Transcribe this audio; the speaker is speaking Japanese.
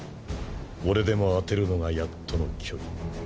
俺でも当てるのがやっとの距離。